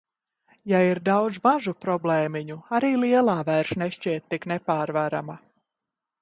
Ja ir daudz mazu problēmiņu, arī lielā vairs nešķiet tik nepārvarama.